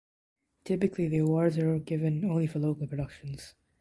Typically the awards are given only for local productions.